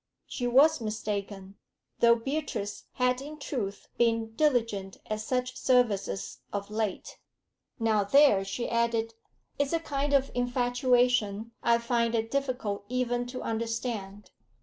She was mistaken, though Beatrice had in truth been diligent at such services of late. 'Now there,' she added, 'is a kind of infatuation I find it difficult even to understand.